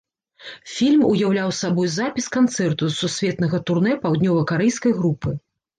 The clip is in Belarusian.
Фільм уяўляў сабой запіс канцэрту з сусветнага турнэ паўднёвакарэйскай групы.